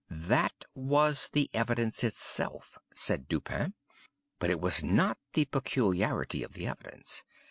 "That was the evidence itself," said Dupin, "but it was not the peculiarity of the evidence.